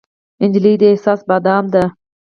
نجلۍ د احساس بادام ده.